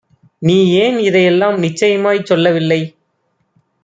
நீயேன் இதையெல்லாம் நிச்சயமாய்ச் சொல்லவில்லை?